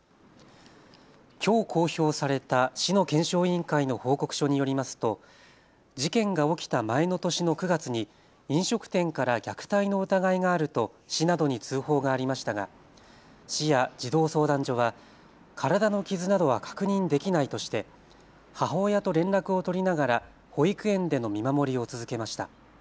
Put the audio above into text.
きょう公表された市の検証委員会の報告書によりますと事件が起きた前の年の９月に飲食店から虐待の疑いがあると市などに通報がありましたが市や児童相談所は体の傷などは確認できないとして母親と連絡を取りながら保育園での見守りを続けました。